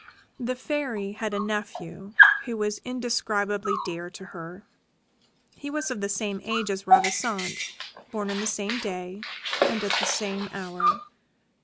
The Fairy had a nephew who was indescribably dear to her: he was of the same age as Ravissante, born on the same day and at the same hour.